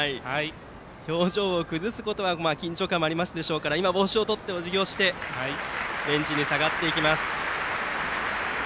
表情を崩すことはなく緊張感もありますでしょうが帽子をとって、おじぎをしてベンチに下がっていきます。